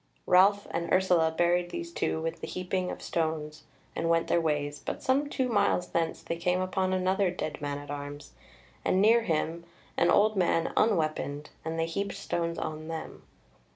Ralph and Ursula buried these two with the heaping of stones and went their ways; but some two miles thence they came upon another dead man at arms, and near him an old man unweaponed, and they heaped stones on them.